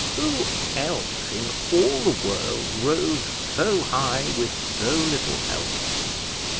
Who else in all the world rose so high with so little help?